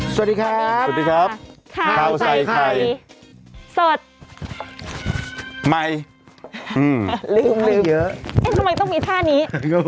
สวัสดีครับขาวใส่ใครสดใหม่ลืมทำไมต้องมีท่านี้